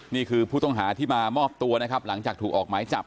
นี่คือผู้ต้องหาที่มาออกหมอบตัวหลังจากถูกออกหมากมาจับ